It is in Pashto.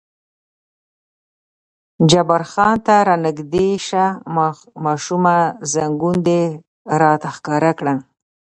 جبار خان: ته را نږدې شه ماشومه، زنګون دې راته ښکاره کړه.